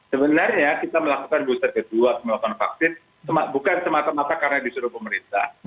sebenarnya kita melakukan booster kedua melakukan vaksin bukan semata mata karena disuruh pemerintah